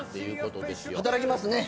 働きますね。